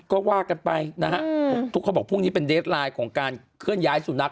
ก็ว่ากันไปนะฮะทุกคนบอกพรุ่งนี้เป็นเดสไลน์ของการเคลื่อนย้ายสุนัข